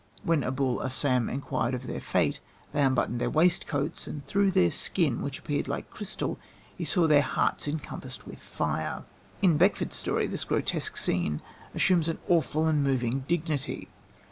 When Aboul Assam enquired of their fate they unbuttoned their waistcoats, and through their skin, which appeared like crystal, he saw their hearts encompassed with fire. In Beckford's story this grotesque scene assumes an awful and moving dignity.